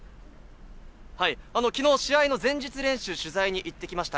きのう、試合の前日練習、取材に行ってきました。